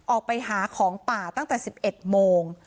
ออกไปหาของป่าตั้งแต่๑๑โมง